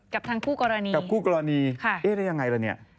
กับทางคู่กรณีได้ยังไงละเนี่ย